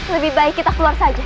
lebih baik kita keluar saja